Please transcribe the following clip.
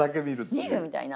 見るみたいな。